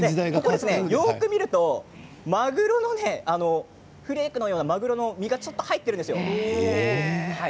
よく見るとまぐろのフレークのようなまぐろの身がちょっと入っているんですよ。